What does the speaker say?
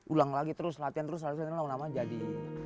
ulang lagi terus latihan terus lalu lama jadi